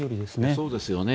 そうですよね。